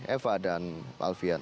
eva dan alvian